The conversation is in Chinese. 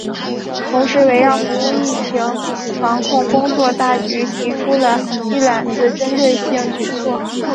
同时围绕服务疫情防控工作大局提出了“一揽子”针对性举措